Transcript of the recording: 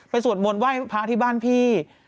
ไปสวดมนตร์ไหว้พระอธิบาลพี่